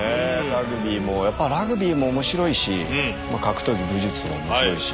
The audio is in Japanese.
ラグビーもやっぱラグビーも面白いし格闘技武術も面白いし。